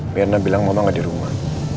mirna bilang mama gak di rumah